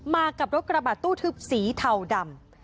มากับรถกระบะตู้ทึบสีเทาดำ